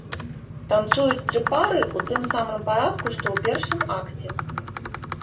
Танцуюць тры пары ў тым самым парадку, што ў першым акце.